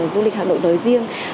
du lịch hà nội đối riêng